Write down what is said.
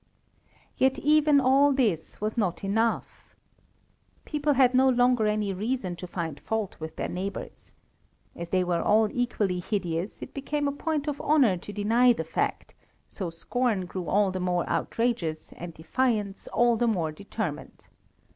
Yet even all this was not enough. People had no longer any reason to find fault with their neighbours. As they were all equally hideous, it became a point of honour to deny the fact, so scorn grew all the more outrageous, and defiance all the more determined.